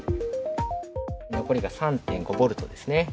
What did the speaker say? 残りが３．５ボルトですね。